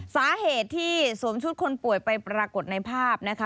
สาเหตุที่สวมชุดคนป่วยไปปรากฏในภาพนะคะ